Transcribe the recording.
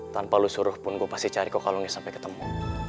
tanpa lu suruh pun gue pasti cari kok kalungnya sampai ketemu